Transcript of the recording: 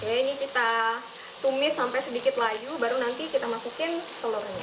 ya ini kita tumis sampai sedikit laju baru nanti kita masukin telurnya